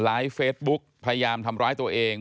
ไลฟ์เฟซบุ๊กพยายามทำร้ายตัวเอง